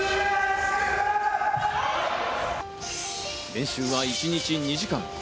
練習は一日２時間。